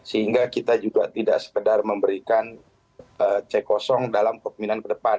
sehingga kita juga tidak sekedar memberikan cek kosong dalam kepemimpinan ke depan